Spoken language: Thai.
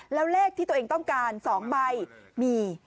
แล้วเลขที่ตัวเองต้องการ๒ใบมี